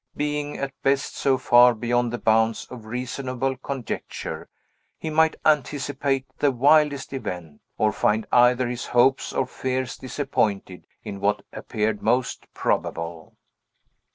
Being, at best, so far beyond the bounds of reasonable conjecture, he might anticipate the wildest event, or find either his hopes or fears disappointed in what appeared most probable.